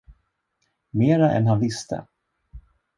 Mera än han visste.